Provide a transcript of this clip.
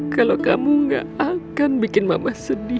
kalau kamu gak akan bikin mama sedih